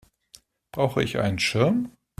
Brauche ich einen Schirm?